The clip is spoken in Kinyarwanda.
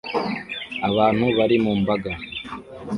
Abantu bari mu mbaga